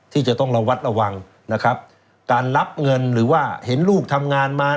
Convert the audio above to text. ที่จะต้องระวัดระวังนะครับการรับเงินหรือว่าเห็นลูกทำงานมา